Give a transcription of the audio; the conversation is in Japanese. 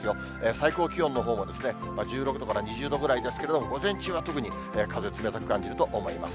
最高気温のほうも１６度から２０度ぐらいですけれども、午前中は特に風冷たく感じると思います。